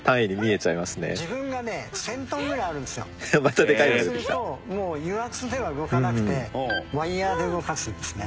そうするともう油圧では動かなくてワイヤーで動かすんですね。